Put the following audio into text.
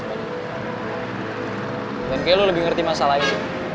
dan kayaknya lo lebih ngerti masalah ini